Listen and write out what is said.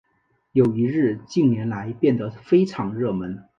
友谊日近年来变得非常热门。